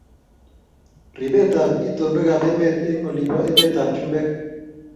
Ribet ab itonwekab emet eng olipa emet ab chumbek